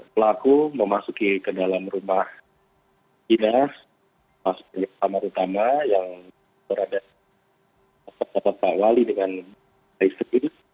pelaku memasuki ke dalam rumah dinas masuk ke kamar utama yang berada di tempat tempat wali dengan resipi